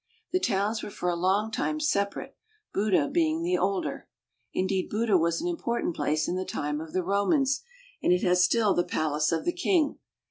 The towns were for a long time separate, Buda being the older. Indeed, Buda was an important place in the time of the Romans and it has still the palace of the king.